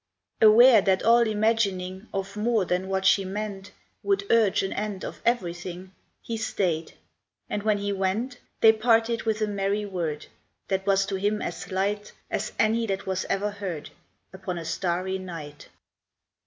Aware that all imagining Of more than what she meant Would urge an end of everything, He stayed; and when he went, They parted with a merry word That was to him as light As any that was ever heard Upon a starry night.